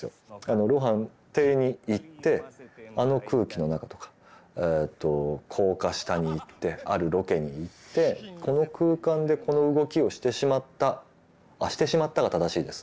露伴邸に行ってあの空気の中とか高架下に行ってあるロケに行ってこの空間でこの動きをしてしまったあしてしまったが正しいです。